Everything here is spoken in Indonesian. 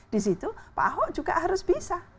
di situ pak ahok juga harus bisa